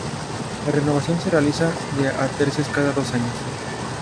La renovación se realiza de a tercios cada dos años.